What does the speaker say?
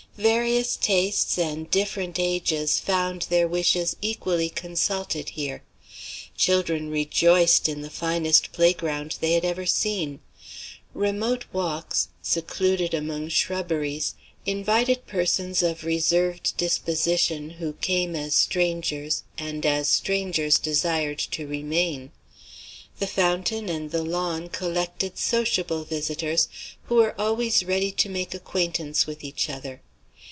Various tastes and different ages found their wishes equally consulted here. Children rejoiced in the finest playground they had ever seen. Remote walks, secluded among shrubberies, invited persons of reserved disposition who came as strangers, and as strangers desired to remain. The fountain and the lawn collected sociable visitors, who were always ready to make acquaintance with each other.